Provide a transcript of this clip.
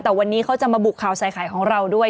แต่วันนี้เขาจะมาบุกข่าวใส่ไข่ของเราด้วย